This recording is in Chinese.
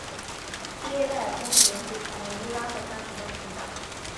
第一代公爵即成为乌拉赫家族的族长。